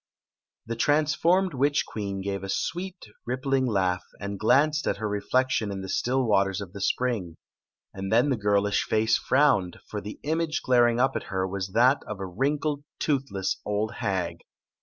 The transformed witch queen gave a sweet, rippling laugh, and glanced at her reflection in the stUl waters of the spring. And then the girlish fece frowned, ior the image glaring up at her was that of a wrinkled, toothless old hag.